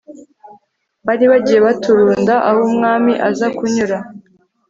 bari bagiye baturunda aho umwami aza kunyura